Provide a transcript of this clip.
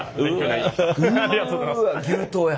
うわ牛刀や。